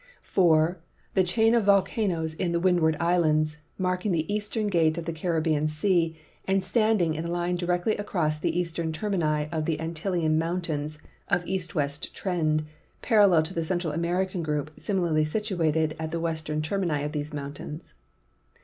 4. The chain of volcanoes of the Windward islands, marking the eastern gate of the Caribbean sea and standing in a line directly across the eastern termini of the Antillean mountains of east west trend, parallel to theCentral American group similarly situated at the western termini of these mountains.